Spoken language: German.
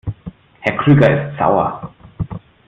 Herr Krüger ist sauer.